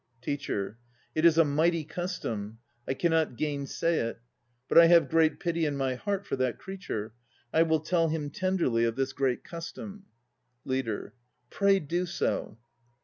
TEACHER. It is a Mighty Custom. I cannot gainsay it. But I have great pity in my heart for that creature. I will tell him tenderly of this Great Custom. LEADER. Pray do so.